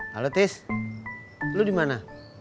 halo tis lu dimana